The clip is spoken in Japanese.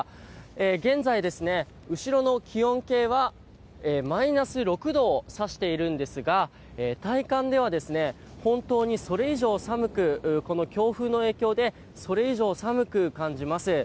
現在、後ろの気温計はマイナス６度を指しているんですが体感では本当に、それ以上寒くこの強風の影響でそれ以上寒く感じます。